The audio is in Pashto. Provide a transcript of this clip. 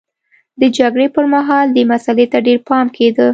د جګړې پرمهال دې مسئلې ته ډېر پام کېده.